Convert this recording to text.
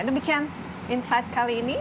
demikian insight kali ini